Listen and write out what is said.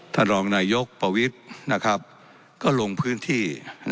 ท่านรองนายกประวิทย์ก็ลงพื้นที่